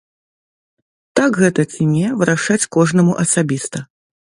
Так гэта ці не, вырашаць кожнаму асабіста.